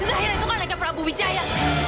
zahira itu kan anaknya prabu wijaya